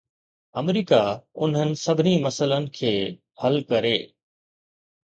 آمريڪا انهن سڀني مسئلن کي حل ڪري